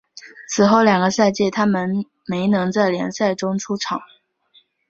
此后两个赛季他没能在联赛中出场。